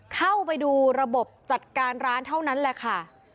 เข้าไปดูระบบจัดการร้านเท่านั้นแหละค่ะ